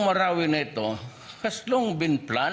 marawi ini sudah lama dilancarkan